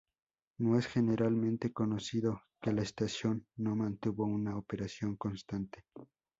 No es generalmente conocido que la estación no mantuvo una operación constante.